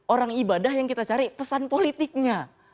orang ibadah yang kita cari pesan politiknya